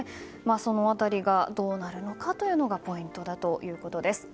その辺りがどうなるのかがポイントだということです。